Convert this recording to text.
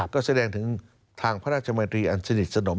ก็แสดงถึงทางพระราชมนตรีอันสนิทสนม